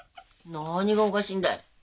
何がおかしいんだい？